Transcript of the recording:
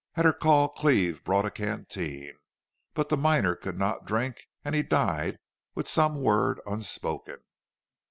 At her call Cleve brought a canteen. But the miner could not drink and he died with some word unspoken.